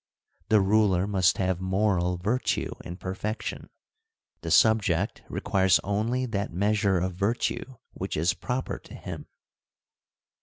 The ruler must have moral virtue in perfection ; the subject requires only that measure of virtue which is proper to him.